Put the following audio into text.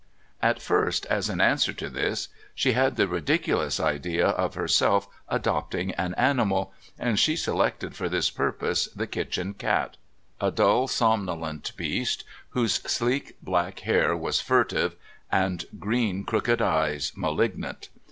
At first, as an answer to this, she had the ridiculous idea of herself adopting an animal, and she selected, for this purpose, the kitchen cat, a dull, somnolent beast, whose sleek black hair was furtive, and green, crooked eyes malignant.